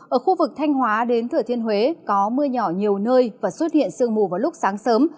ở khu vực thanh hóa đến thừa thiên huế có mưa nhỏ nhiều nơi và xuất hiện sương mù vào lúc sáng sớm